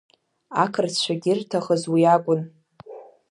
Ақырҭцәагьы ирҭахыз уи акәын.